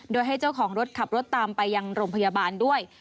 โดยให้เจ้าของรถขับรถตามไปยังโรงพยาบาลด้วย